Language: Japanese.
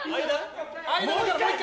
間だからもう１回。